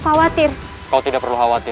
kita tidak menghargai